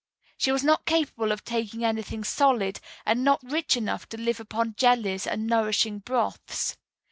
She was not capable of taking anything solid, and not rich enough to live upon jellies and nourishing broths.